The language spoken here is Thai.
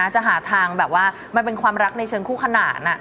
จะหาทางแบบว่ามันเป็นความรักในเชิงคู่ขนาน